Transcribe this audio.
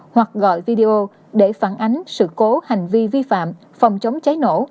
hoặc gọi video để phản ánh sự cố hành vi vi phạm phòng chống cháy nổ